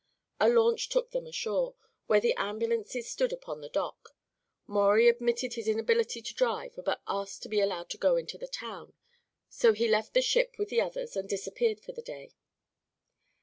A launch took them ashore, where the ambulances stood upon the dock. Maurie had admitted his inability to drive, but asked to be allowed to go into the town. So he left the ship with the others and disappeared for the day.